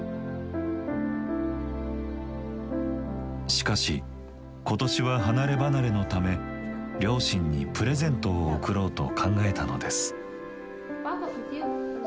しかし今年は離れ離れのため両親にプレゼントを贈ろうと考えたのです。